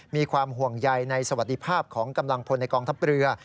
มีความห่วงใยในสวัสดิภาพของกำลังพลในกองทัพเรือ